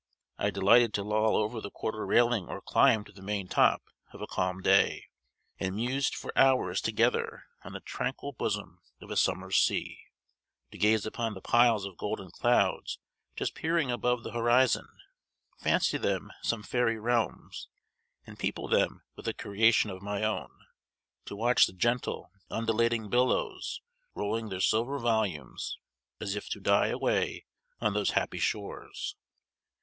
I delighted to loll over the quarter railing or climb to the main top, of a calm day, and muse for hours together on the tranquil bosom of a summer's sea; to gaze upon the piles of golden clouds just peering above the horizon, fancy them some fairy realms, and people them with a creation of my own; to watch the gently undulating billows rolling their silver volumes, as if to die away on those happy shores.